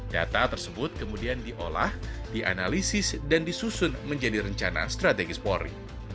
data tersebut kemudian diolah dianalisis dan disusun menjadi rencana strategis polri